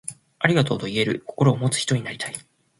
ありがとう、と言える心を持つ人になりたい。